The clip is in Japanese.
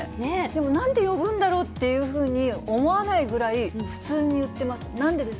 でもなんで呼ぶんだろうって思わないぐらい普通に言ってます。